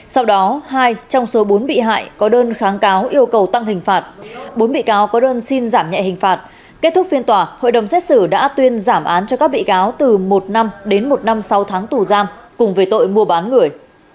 sau đó hai trong số bốn bị hại có đơn kháng cáo yêu cầu tăng hình phạt bốn bị cáo có đơn xin giảm nhẹ hình phạt kết thúc phiên tòa hội đồng xét xử đã tuyên giảm án cho các bị cáo từ một năm đến một năm sau tháng tù giam cùng về tội mua bán người